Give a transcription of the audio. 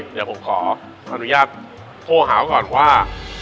เดี๋ยวผมขออนุญาตโทรหาเขาก่อนว่า